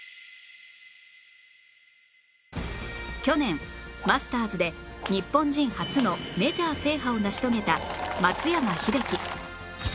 去年マスターズで日本人初のメジャー制覇を成し遂げた松山英樹